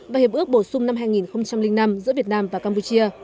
và hiệp ước bổ sung năm hai nghìn năm giữa việt nam và campuchia